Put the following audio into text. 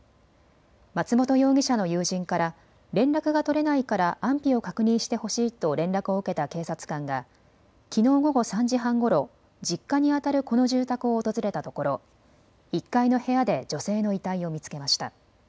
松元容疑者の友人から連絡が取れないから安否を確認してほしいと連絡を受けた警察官がきのう午後３時半ごろ実家にあたるこの住宅を訪れたところ、１階の部屋で女性の遺体を見つけました。